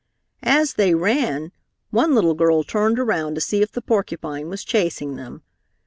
As they ran, one little girl turned around to see if the porcupine was chasing them.